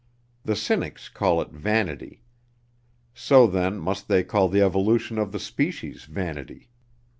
The cynics call it vanity. So then, must they call the evolution of the species vanity.